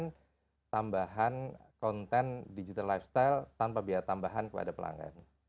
memberikan tambahan konten digital lifestyle tanpa biaya tambahan kepada pelanggan